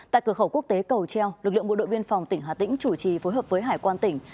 tại cửa khẩu quốc tế cầu treo lực lượng bộ đội biên phòng tỉnh hà tĩnh chủ trì phối hợp với hải quan tỉnh